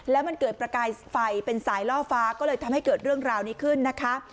แล้วมันเกิดประกายไฟเป็นสายล่อฟ้าก็เลยทำให้เกิดเรื่องราวนี้ขึ้นนะคะ